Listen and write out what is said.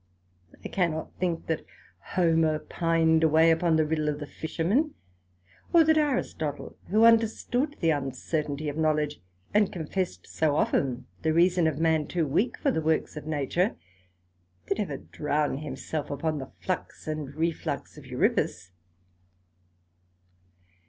I cannot think that Homer pin'd away upon the riddle of the fishermen; or that Aristotle, who understood the uncertainty of knowledge, and confessed so often the reason of man too weak for the works of nature, did ever drown himself upon the flux and reflux of Euripus.